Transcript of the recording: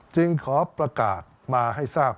จึงขอประกาศมาให้ทราบ